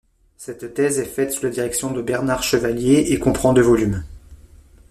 Cette thèse est faite sous la direction de Bernard Chevalier et comprend deux volumes.